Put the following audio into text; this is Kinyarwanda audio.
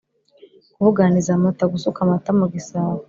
kubuganiza amata: gusuka amata mu gisabo